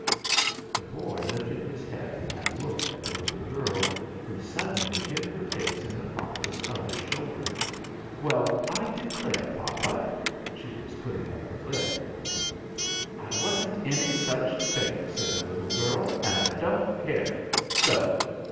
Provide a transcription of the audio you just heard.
The boy lifted his head and looked at the little girl, who suddenly hid her face in the papa's other shoulder. "Well, I declare, papa, she was putting up her lip." "I wasn't, any such thing!" said the little girl. "And I don't care! So!"